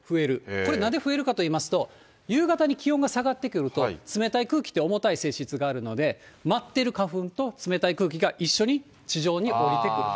これなんで増えるかといいますと、夕方に気温が下がってくると、冷たい空気って、重たい性質があるので、舞ってる花粉と、冷たい空気が一緒に地上に下りてくる。